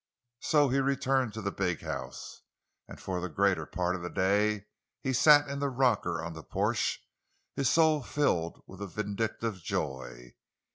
So he returned to the big house. And for the greater part of the day he sat in the rocker on the porch, his soul filled with a vindictive joy.